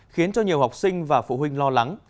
khiến cho nhiều học sinh và phụ huynh lo lắng